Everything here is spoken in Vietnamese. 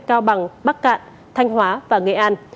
cao bằng bắc cạn thanh hóa và nghệ an